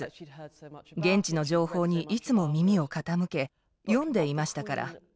現地の情報にいつも耳を傾け読んでいましたから。